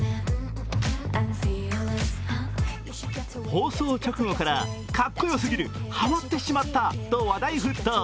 放送直後から、かっこよすぎる、ハマってしまったと話題沸騰。